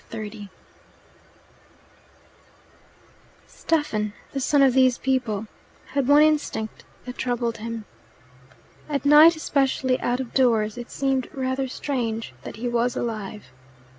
XXX Stephen, the son of these people, had one instinct that troubled him. At night especially out of doors it seemed rather strange that he was alive.